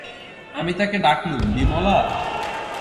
আমি তাকে ডাকলুম, বিমলা!